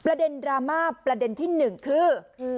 ดราม่าประเด็นที่หนึ่งคือ